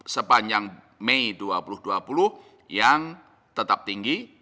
sepanjang mei dua ribu dua puluh yang tetap tinggi